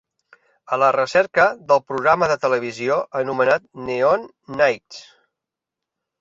A la recerca del programa de televisió anomenat Neon Nights